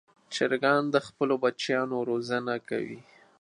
چرګان د خپلو بچیانو روزنه کوي.